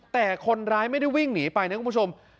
แต่คนร้ายไม่ได้วิ่งหนีไปนะคุณผู้ชม